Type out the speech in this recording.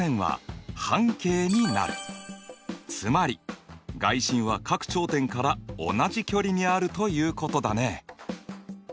つまり外心は各頂点から同じ距離にあるということだね。